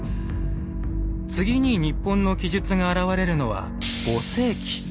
次に日本の記述が現れるのは５世紀。